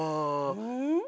うん？